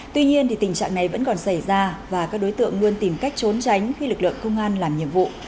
tuy nhiên tình trạng này vẫn còn xảy ra và các đối tượng luôn tìm cách trốn tránh khi lực lượng công an làm nhiệm vụ